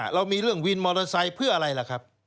เรามีเรื่องวินมอเตอร์ไซค์เพื่ออะไรล่ะครับ